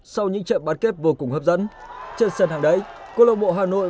sau những trận bát kết vô cùng hấp dẫn trên sân hàng đấy cô lộng bộ hà nội